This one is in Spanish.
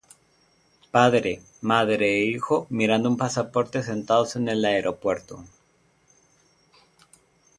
Padre, madre e hijo mirando un pasaporte sentados en el aeropuerto.